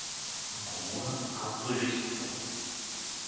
Ако мога, аз дори ще ти помогна.